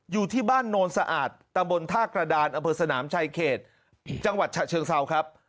อยู่ที่บ้านโนนสะอาดตำบลท่ากระดานอำเภอสนามชายเขตจังหวัดฉะเชิงเซาครับ